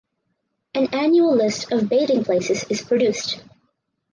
An annual list of bathing places is produced.